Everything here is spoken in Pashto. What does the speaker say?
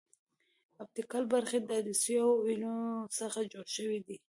اپټیکل برخې د عدسیو او اینو څخه جوړې شوې.